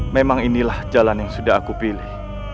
memang inilah jalan yang sudah aku pilih